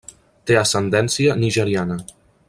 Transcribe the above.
Té ascendència nigeriana.